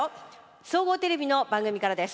総合テレビの番組からです。